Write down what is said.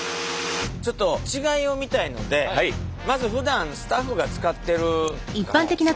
ちょっと違いを見たいのでまずふだんスタッフが使ってる傘ですね